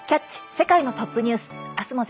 世界のトップニュース」。